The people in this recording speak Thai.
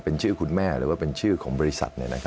เป็นชื่อคุณแม่หรือว่าเป็นชื่อของบริษัท